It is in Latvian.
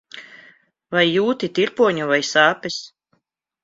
Vai jūti tirpoņu vai sāpes?